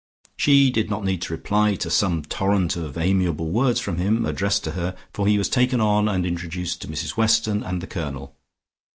She did not need to reply to some torrent of amiable words from him, addressed to her, for he was taken on and introduced to Mrs Weston, and the Colonel.